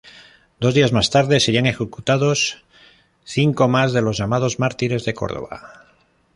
Dos días más tarde serían ejecutados cinco más de los llamados mártires de Córdoba.